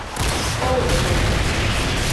布隆迪